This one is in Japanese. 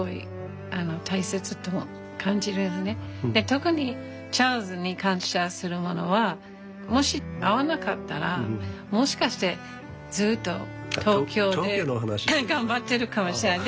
特にチャールズに感謝するものはもし会わなかったらもしかしてずっと東京で頑張ってるかもしれない。